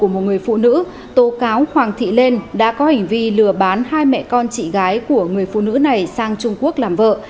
một người phụ nữ tố cáo hoàng thị lên đã có hành vi lừa bán hai mẹ con chị gái của người phụ nữ này sang trung quốc làm vợ